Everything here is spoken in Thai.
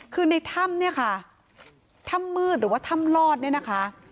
คือในถ้ำเนี่ยค่ะถ้ำมืดหรือว่าถ้ำลอดเนี่ยนะคะ